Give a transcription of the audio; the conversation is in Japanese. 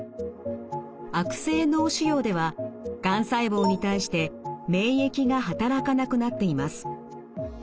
悪性脳腫瘍ではがん細胞に対して免疫が働かなくなっています。